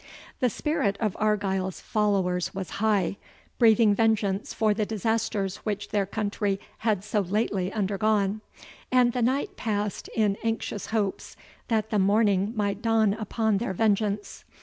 The spirit of Argyle's followers was high, breathing vengeance for the disasters which their country had so lately undergone; and the night passed in anxious hopes that the morning might dawn upon their vengeance.